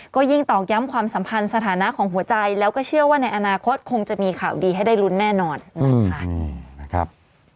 ก็ยิ่งตอกย้ำความสัมพันธ์สถานะของหัวใจแล้วก็เชื่อว่าในอนาคตคงจะมีข่าวดีให้ได้ลุ้นแน่นอนนะคะ